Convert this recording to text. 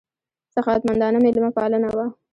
سخاوتمندانه مېلمه پالنه وه.